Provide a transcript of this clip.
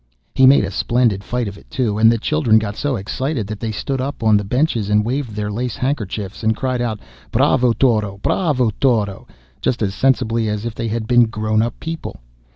He made a splendid fight of it too, and the children got so excited that they stood up upon the benches, and waved their lace handkerchiefs and cried out: Bravo toro! Bravo toro! just as sensibly as if they had been grown up people.